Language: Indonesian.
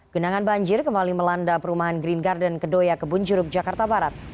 genangan banjir kembali melanda perumahan green garden kedoya kebun juruk jakarta barat